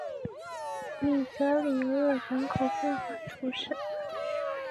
米泽里厄人口变化图示